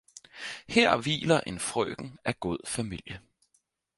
Her hviler en frøken af god familie.